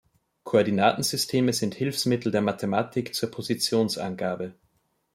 Koordinatensysteme sind Hilfsmittel der Mathematik zur Positionsangabe.